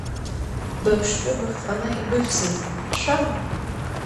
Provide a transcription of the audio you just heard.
Быԥштәы быхҟьаны ибыхьзеи, бшәама?